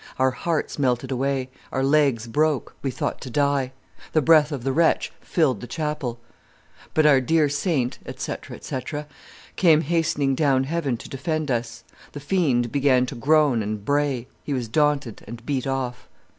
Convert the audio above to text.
Our hearts melted away, our legs broke, we thought to die. The breath of the wretch filled the chapel. "But our dear Saint, etc., etc., came hastening down heaven to defend us. The fiend began to groan and bray—he was daunted and beat off.